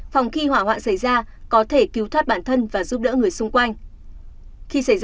phòng khi hỏa hoạn xảy ra có thể cứu thoát bản thân và giúp đỡ người xung quanh